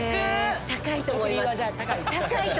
え高いと思います高い？